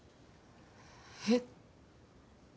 えっ。